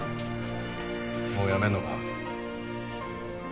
もうやめんのか？